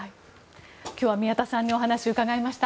今日は宮田さんにお話を伺いました。